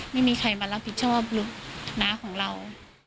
ไม่มีใครมารับผิดชอบลูกน้าของเรา